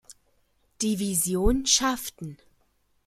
Division schafften.